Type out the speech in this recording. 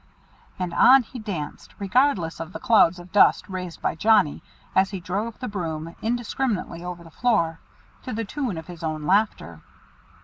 '" And on he danced, regardless of the clouds of dust raised by Johnnie, as he drove the broom indiscriminately over the floor, to the tune of his own laughter.